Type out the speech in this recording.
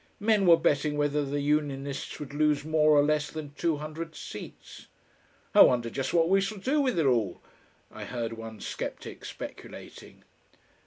Men were betting whether the Unionists would lose more or less than two hundred seats. "I wonder just what we shall do with it all," I heard one sceptic speculating....